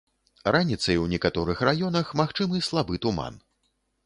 Раніцай у некаторых раёнах магчымы слабы туман.